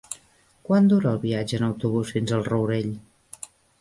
Quant dura el viatge en autobús fins al Rourell?